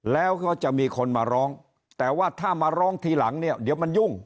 แล้วก็จะมีคนมาร้องแต่ว่าถ้ามาร้องทีหลังเนี่ยเดี๋ยวมันยุ่ง